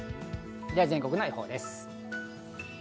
では全国の予報です。